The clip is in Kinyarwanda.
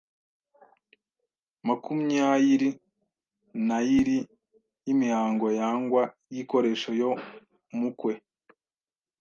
makumyairi n’airi y’imihango yangwa y’iikoresho yo mu ukwe